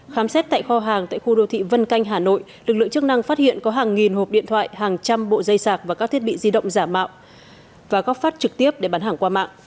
khám xét tại kho hàng tại khu đô thị vân canh hà nội lực lượng chức năng phát hiện có hàng nghìn hộp điện thoại hàng trăm bộ dây sạc và các thiết bị di động giả mạo và góp phát trực tiếp để bán hàng qua mạng